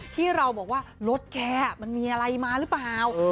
ที่เราบอกว่ารถแกมันมีอะไรมาหรือเปล่า